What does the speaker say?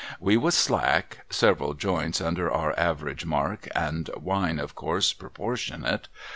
We was slack, — several joints under our average mark, and wine, of course, proportionate.